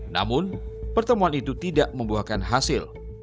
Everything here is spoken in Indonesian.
namun pertemuan itu tidak membuahkan hasil